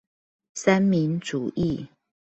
三民主義